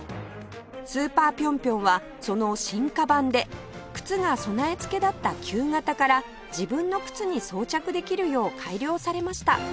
スーパー・ピョンピョンはその進化版で靴が備え付けだった旧型から自分の靴に装着できるよう改良されました